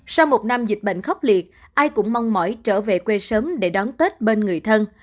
sau một năm dịch bệnh khốc liệt ai cũng mong mỏi trở về quê sớm để đón tết bên người thân